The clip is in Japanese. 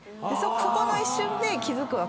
そこの一瞬で気付くわけですよ。